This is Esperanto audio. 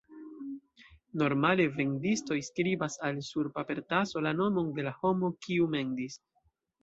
Normale vendistoj skribas al sur papertaso la nomon de la homo, kiu mendis.